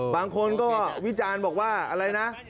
บางคนก็วิจารณ์บอกว่าอะไรนะ